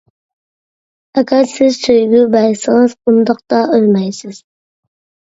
ئەگەر، سىز سۆيگۈ بەرسىڭىز، ئۇنداقتا ئۆلمەيسىز.